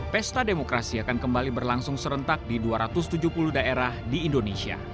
pesta demokrasi akan kembali berlangsung serentak di dua ratus tujuh puluh daerah di indonesia